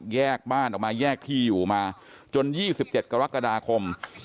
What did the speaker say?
แยกบ้านออกมาแยกที่อยู่มาจน๒๗กรกฎาคม